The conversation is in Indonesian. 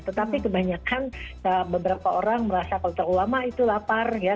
tetapi kebanyakan beberapa orang merasa kalau terulama itu lapar ya